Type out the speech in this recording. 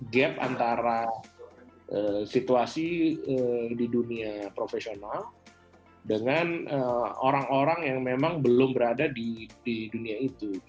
gap antara situasi di dunia profesional dengan orang orang yang memang belum berada di dunia itu